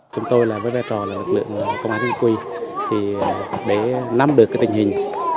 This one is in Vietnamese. chúng tôi với vai trò là lực lượng công an chính quy để nắm được tình hình